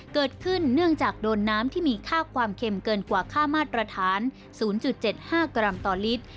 เนื่องจากโดนน้ำที่มีค่าความเค็มเกินกว่าค่ามาตรฐาน๐๗๕กรัมต่อลิตร